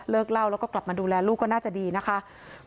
เหล้าแล้วก็กลับมาดูแลลูกก็น่าจะดีนะคะ